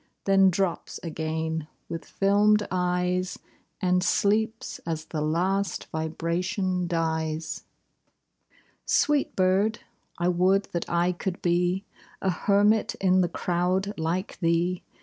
Then drops again with fdmed eyes, And sleeps as the last vibration dies. a (89) Sweet bird ! I would that I could be A hermit in the crowd like thee